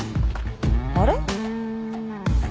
あれ？